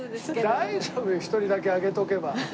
大丈夫よ１人だけ挙げておけば。